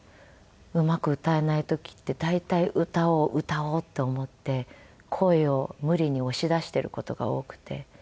うまく歌えない時って大体歌おう歌おうと思って声を無理に押し出している事が多くて。